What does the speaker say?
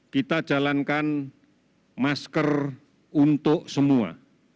kita jalankan masker untuk semua